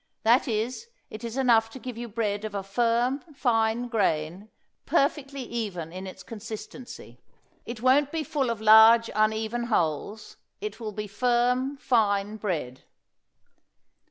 That is, it is enough to give you bread of a firm, fine grain, perfectly even in its consistency. It won't be full of large, uneven holes; it will be firm, fine bread.